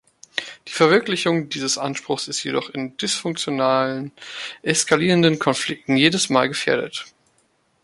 Die Verwirklichung dieses Anspruchs ist jedoch in dysfunktionalen, eskalierenden Konflikten jedes Mal gefährdet.